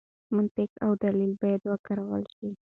منطق او دلیل باید وکارول شي.